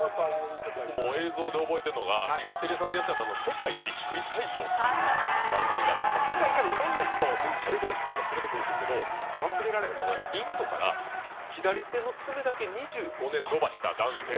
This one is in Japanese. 映像で覚えてるのが、日テレさんでやってた、世界ビックリ大賞っていう番組があって、世界からいろんな人をめっちゃでかい人とか連れてくるんですけど、忘れられへんのが、インドから左手の爪だけ２５年伸ばした男性。